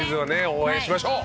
応援しましょう。